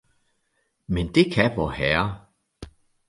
Men det kan Vorherre!